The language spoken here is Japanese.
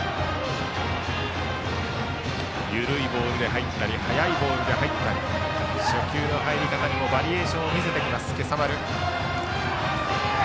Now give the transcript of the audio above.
緩いボールで入ったり速いボールで入ったり初球の入り方にもバリエーションを見せてきます今朝丸。